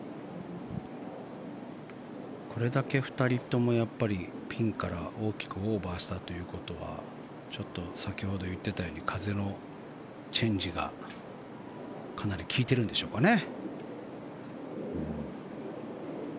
これだけ２人ともピンから大きくオーバーしたということはちょっと先ほど言っていたように風のチェンジがかなり効いてるんでしょうかね。